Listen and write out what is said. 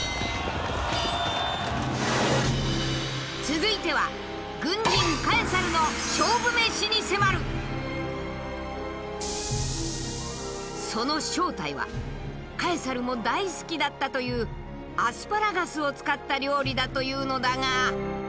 続いてはその正体はカエサルも大好きだったというアスパラガスを使った料理だというのだが。